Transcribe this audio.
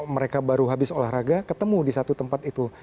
mereka baru habis olahraga ketemu di satu tempat itu